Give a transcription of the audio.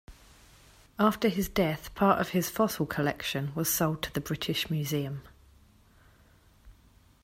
After his death part of his fossil collection was sold to the British Museum.